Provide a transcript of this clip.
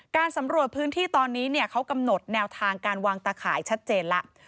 การสำรวจพื้นที่ตอนนี้เขากำหนดแนวทางการวางตะข่ายชัดเจนแล้ว